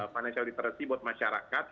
financial literacy buat masyarakat